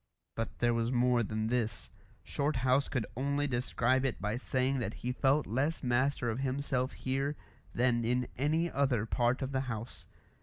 But there was more than this. Shorthouse could only describe it by saying that he felt less master of himself here than in any other part of the house.